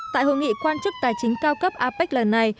tại hội nghị quan chức tài chính cao cấp apec lần này